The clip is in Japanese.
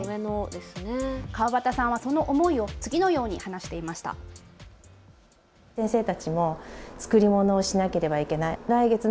川端さんはその思いを次のように話していました。